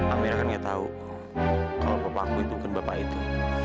amirah kan gak tau kalau papa aku bukan bapak itu